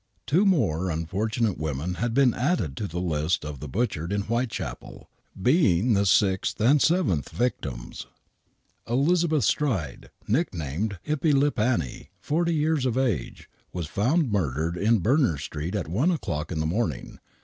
Two more unfortunate women had been added to the list of the butchered in Whitechapel, being the sixth and seventh victims. Elizabeth Stride, nicknamed " Hippy Lip Anny," forty years of age, was found murdered in Berners Street at 1 o'clock in the morning.